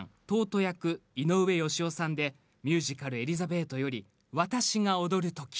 トート役・井上芳雄さんでミュージカル「エリザベート」より「私が踊る時」。